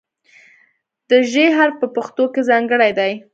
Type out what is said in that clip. د "ژ" حرف په پښتو کې ځانګړی دی.